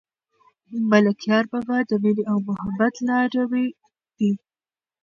ملکیار بابا د مینې او محبت لاروی دی.